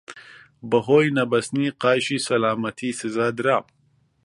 بەهۆی نەبەستنی قایشی سەلامەتی سزا درام.